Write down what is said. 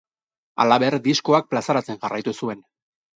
Halaber, diskoak plazaratzen jarraitu zuen.